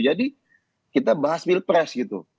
jadi kita bahas pilpres gitu